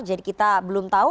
jadi kita belum tahu